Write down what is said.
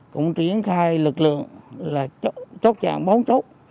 cũng triển khai lực lượng là chốt chạm bóng chốt